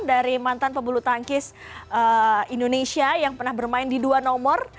dari mantan pebulu tangkis indonesia yang pernah bermain di dua nomor